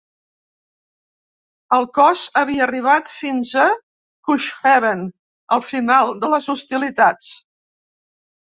El cos havia arribat fins a Cuxhaven al final de les hostilitats.